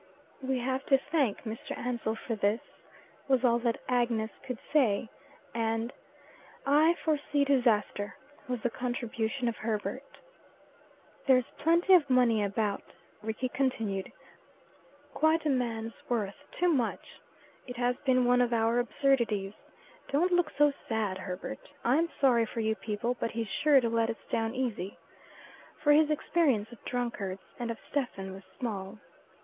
"We have to thank Mr. Ansell for this," was all that Agnes could say; and "I foresee disaster," was the contribution of Herbert. "There's plenty of money about," Rickie continued. "Quite a man's worth too much. It has been one of our absurdities. Don't look so sad, Herbert. I'm sorry for you people, but he's sure to let us down easy." For his experience of drunkards and of Stephen was small.